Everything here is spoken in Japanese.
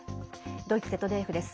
ドイツＺＤＦです。